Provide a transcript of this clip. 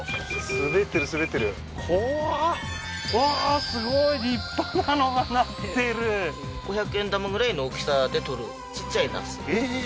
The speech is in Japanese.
滑ってる滑ってる怖っうわーすごい立派なのがなってる５００円玉ぐらいの大きさで採るちっちゃい茄子ええー